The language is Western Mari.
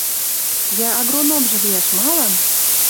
Йӓ, агрономжы лиӓш малан?